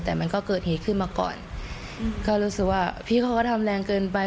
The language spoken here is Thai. แต่มันก็เกิดเหตุขึ้นมาก่อนก็รู้สึกว่าพี่เขาก็ทำแรงเกินไป